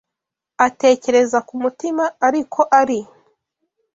atekereza ku mutima, ari ko ari